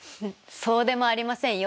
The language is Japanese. そうでもありませんよ。